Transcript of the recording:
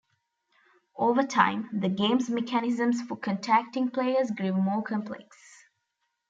Over time, the game's mechanisms for contacting players grew more complex.